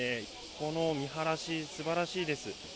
この見晴らし、すばらしいです。